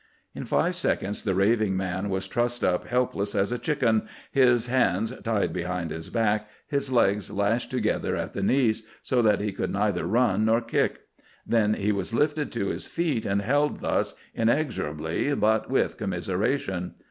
In five seconds the raving man was trussed up helpless as a chicken, his hands tied behind his back, his legs lashed together at the knees, so that he could neither run nor kick. Then he was lifted to his feet, and held thus, inexorably but with commiseration.